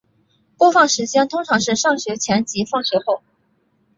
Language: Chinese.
播放时间通常是上学前及放学后。